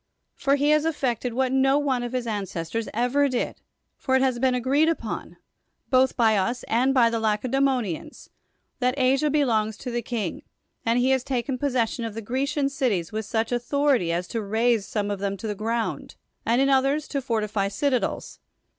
For he has effected what no one of his ancestors ever did ; for it has been agreed on, both by us and by the Lacedaemonians, that Asia belongs to the king, and he has taken possession of the Grecian cities with such authority as to raze some of them to the ground, and in others to fortify citadels.